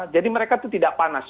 jadi mereka itu tidak panas